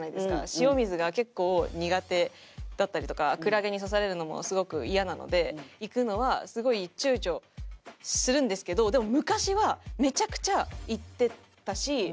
塩水が結構苦手だったりとかクラゲに刺されるのもすごくイヤなので行くのはすごい躊躇するんですけどでも。